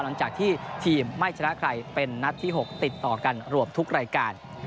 หลังจากที่ทีมไม่ชนะใครเป็นนัดที่๖ติดต่อกันรวบทุกรายการ